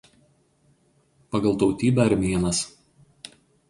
Pagal tautybę armėnas.